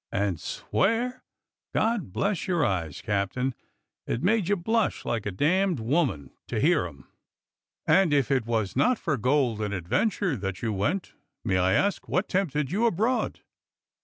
And swear? God bless your eyes, 176 DOCTOR SYN Captain, it made you blush like a damned woman to hear 'em." "And if it was not for gold and adventure that you went, may I ask what tempted you abroad?"